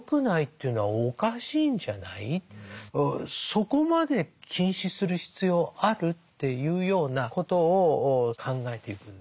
そこまで禁止する必要ある？っていうようなことを考えていくんですよね。